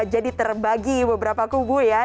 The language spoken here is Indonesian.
jadi terbagi beberapa kubu ya